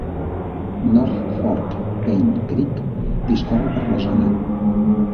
North Fork Paint Creek discorre per la zona.